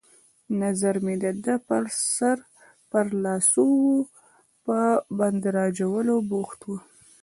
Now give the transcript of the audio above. نظر مې د ده پر لاسو وو، په بنداژولو بوخت وو.